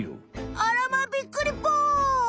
あらまびっくりぽん！